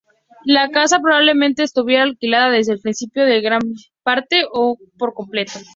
La casa probablemente estuviera alquilada desde el principio en gran parte o por completo.